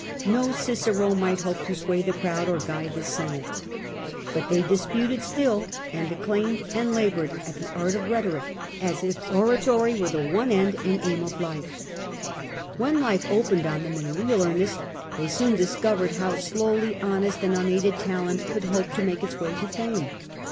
No Cicero might hope to sway the crowd or guide the Senate, but they disputed still and declaimed and laboured at the art of rhetoric as ^^ oratory were the one end and aim of life. little use in When life opened on them in real earnest most careers, they soon discovered how slowly honest and unaided talent could hope to make its way to fame.